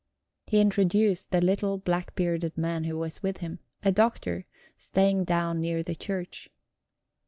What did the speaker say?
He introduced the little black bearded man who was with him; a doctor, staying down near the church.